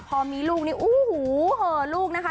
พอมีลูกนี่โอ้โหเหอลูกนะคะ